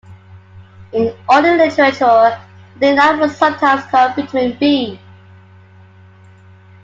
In older literature, adenine was sometimes called Vitamin B.